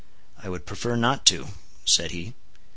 "I would prefer not to," said he.